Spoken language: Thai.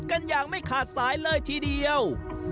กันอย่างไม่ขาดสายเลยทีเดียว